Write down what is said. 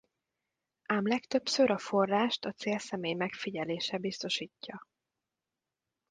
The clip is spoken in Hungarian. Ám legtöbbször a forrást a célszemély megfigyelése biztosítja.